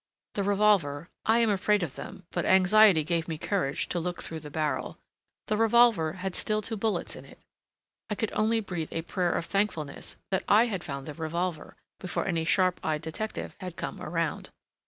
The revolver—I am afraid of them, but anxiety gave me courage to look through the barrel—the revolver had still two bullets in it. I could only breathe a prayer of thankfulness that I had found the revolver before any sharp eyed detective had come around.